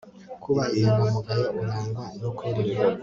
kuba inyangamugayo urangwa n ukuri